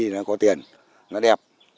nó có tiền nó đẹp